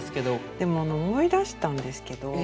でも思い出したんですけど